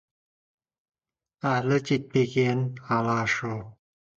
Атасыз ұл ақылға жарымас, анасыз қыз жасауға жарымас.